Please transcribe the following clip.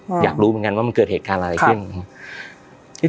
อยากรู้เหมือนกันว่ามันเกิดเหตุการณ์อะไรขึ้น